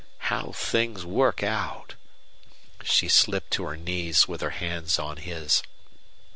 How things work out!" She slipped to her knees, with her hands on his.